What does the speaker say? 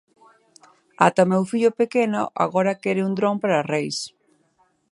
Ata o meu fillo pequeno agora quere un dron para reis.